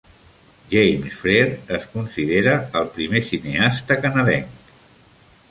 James Freer es considera el primer cineasta canadenc.